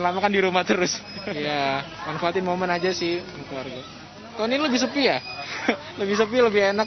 lama kan di rumah terus ya manfaatin momen aja sih keluarga tahun ini lebih sepi ya lebih sepi lebih enak